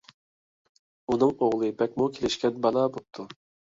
ئۇنىڭ ئوغلى بەكمۇ كېلىشكەن بالا بوپتۇ.